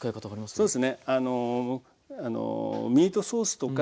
そうですね。